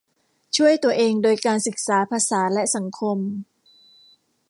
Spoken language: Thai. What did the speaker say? ช่วยตัวเองโดยการศึกษาภาษาและสังคม